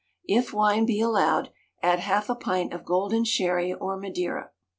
(If wine be allowed, add half a pint of golden sherry or Madeira.)